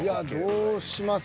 いやどうします？